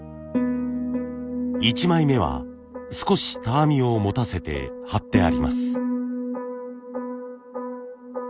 １枚目は少したわみを持たせて貼ってあります。